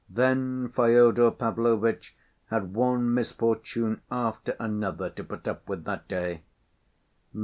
Then Fyodor Pavlovitch had one misfortune after another to put up with that day.